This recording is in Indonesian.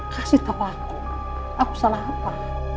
kasih tahu aku aku salah apa